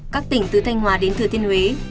các tỉnh từ thanh hóa đến thừa thiên huế